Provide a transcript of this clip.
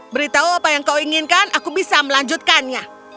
beritahu apa yang kau inginkan aku bisa melanjutkannya